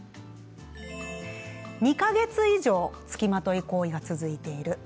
２か月以上つきまとい行為が続いている。